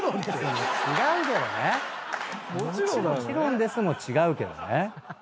「もちろんです」も違うけどね。